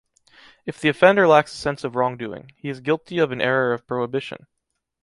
If the offender lacks a sense of wrongdoing, he is guilty of an error of prohibition.